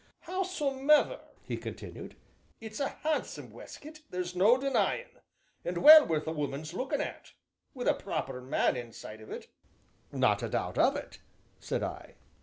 "Howsomever," he continued, "it's a handsome weskit, there's no denyin', an' well worth a woman's lookin' at a proper man inside of it." "Not a doubt of it," said I.